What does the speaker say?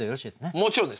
もちろんです。